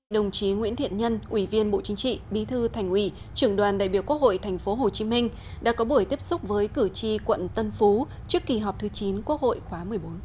đồng chí nguyễn thiện nhân ủy viên bộ chính trị bí thư thành ủy trưởng đoàn đại biểu quốc hội tp hcm đã có buổi tiếp xúc với cử tri quận tân phú trước kỳ họp thứ chín quốc hội khóa một mươi bốn